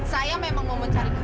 saya memang mau mencari